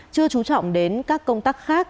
chưa trú trọng đến các công tác khác